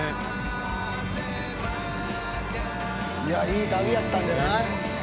いい旅やったんじゃない？